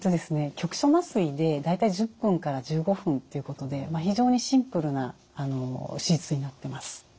局所麻酔で大体１０分から１５分ということで非常にシンプルな手術になってます。